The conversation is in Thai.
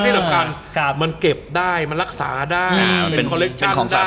เป็นการการมันเก็บได้มันรักษาด้านเป็นคอนเฉินชาติ